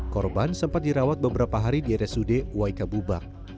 korban sempat dirawat beberapa hari di rsud waikabubak